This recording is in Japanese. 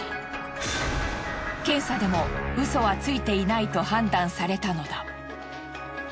検査でもウソはついていないと判断されたのだ。